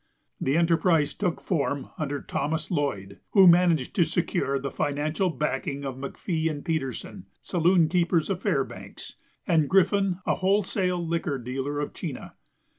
The enterprise took form under Thomas Lloyd, who managed to secure the financial backing of McPhee and Petersen, saloon keepers of Fairbanks, and Griffin, a wholesale liquor dealer of Chena.